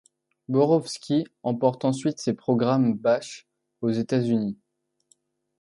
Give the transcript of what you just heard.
Borovsky emporte ensuite ses programmes Bach aux États-Unis.